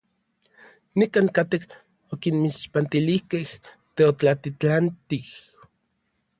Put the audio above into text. Nikankatej okinmixpantilijkej teotlatitlantij.